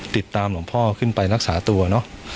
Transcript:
ติดตามหล่องพ่อขึ้นไปรักษาตัวเนอะ